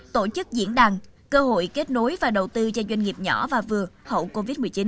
tổ chức diễn đàn cơ hội kết nối và đầu tư cho doanh nghiệp nhỏ và vừa hậu covid một mươi chín